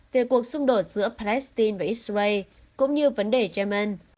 về cuộc xung đột giữa palestine và israel cũng như vấn đề yemen